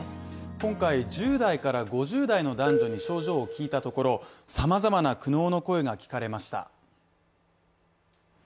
今回、１０５０代の男女に症状を聞いたところ様々な苦悩の声が聞かれました。